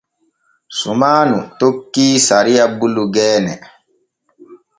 Sumaanu tokkii sariya bulu geene.